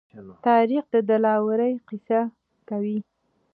تاریخ د دلاورۍ قصه کوي.